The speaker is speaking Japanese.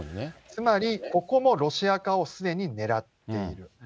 つまり、ここもロシア化をすでに狙っている。